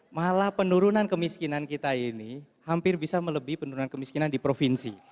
malah penurunan kemiskinan kita ini hampir bisa melebih penurunan kemiskinan di provinsi